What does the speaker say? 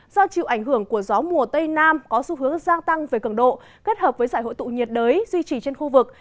do chịu ảnh hưởng của gió mùa tây nam có xu hướng gia tăng về cường độ kết hợp với giải hội tụ nhiệt đới duy trì trên khu vực